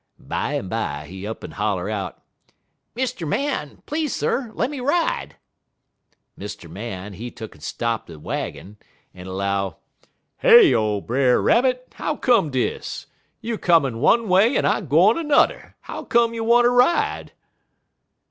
Bimeby he up'n holler out: "'Mr. Man, please, sir, lemme ride.' "Mr. Man, he tuck'n stop he waggin, en 'low: "'Heyo, Brer Rabbit! how come dis? You comin' one way en I gwine nudder; how come you wanter ride?'